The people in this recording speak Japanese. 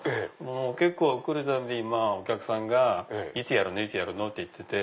結構来るたんびにお客さんがいつやるの？って言ってて。